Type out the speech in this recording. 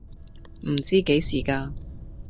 唔知幾時㗎